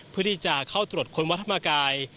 เพื่อที่จะเข้าตรวจค้นวัดธรรมกาย